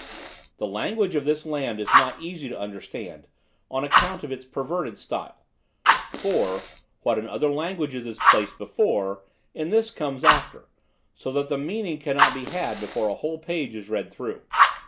The language of this land is not easy to understand, on account of its perverted style; for, what in other languages is placed before, in this comes after, so that the meaning cannot be had before a whole page is read through.